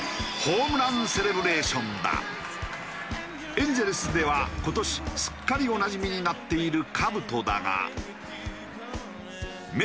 エンゼルスでは今年すっかりおなじみになっている兜だが。